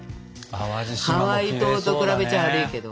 ハワイ島と比べちゃ悪いけど。